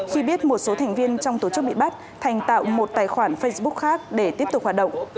khi biết một số thành viên trong tổ chức bị bắt thành tạo một tài khoản facebook khác để tiếp tục hoạt động